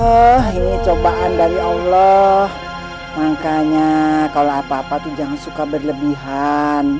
ya allah ini cobaan dari allah makanya kalo apa apa tuh jangan suka berlebihan